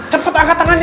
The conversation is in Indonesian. cepet angkat tangannya